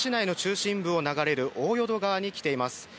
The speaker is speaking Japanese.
私は現在、宮崎市内の中心部を流れる大淀川に来ています。